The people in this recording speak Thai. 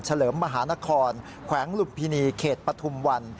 มหานครแขวงลุมพินีเขตปฐุมวัน